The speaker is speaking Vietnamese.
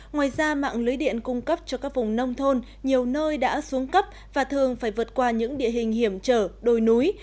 ngoài ra mạng lưới điện cung cấp cho các vùng nông thôn nhiều nơi đã xuống cấp và thường phải vượt qua những địa hình hiểm trở đồi núi